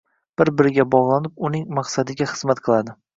bir-biriga bog‘lanib, uning “maqsadiga” xizmat qiladi.